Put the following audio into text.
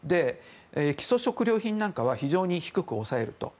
基礎食料品なんかは非常に低く抑えると。